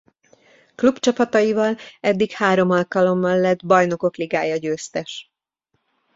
Klubcsapataival eddig három alkalommal lett Bajnokok Ligája győztes.